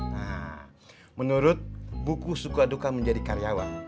nah menurut buku suka duka menjadi karyawan